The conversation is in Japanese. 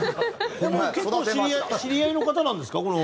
これ結構知り合いの方なんですか？